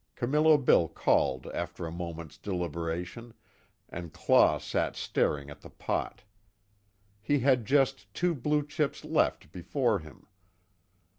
Camillo Bill called after a moment's deliberation, and Claw sat staring at the pot. He had just two blue chips left before him.